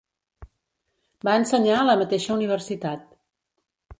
Va ensenyar a la mateixa universitat.